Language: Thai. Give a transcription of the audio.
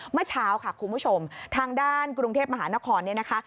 เมื่อเช้าค่ะคุณผู้ชมทางด้านกรุงเทพมหานครเนี่ยนะคะ